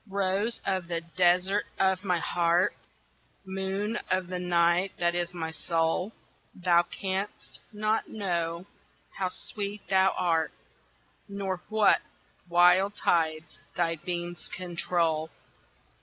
ROSE of the desert of my heart, Moon of the night that is my soul, Thou can'st not know how sweet thou art, Nor what wild tides thy beams control.